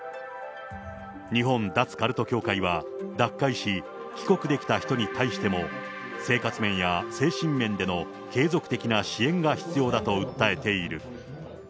日本脱カルト協会は、脱会し、帰国できた人に対しても、生活面や精神面での継続的な支援が必要だと訴えている。